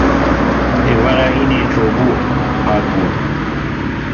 Êvara înê çûbû û hatibû.